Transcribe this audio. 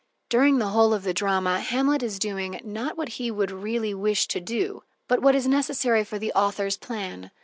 During the whole of the drama, Hamlet is doing, not what he would really wish to do, but what is necessary for the author's plan.